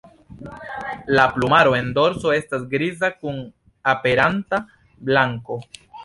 La plumaro en dorso estas griza kun aperanta blanko.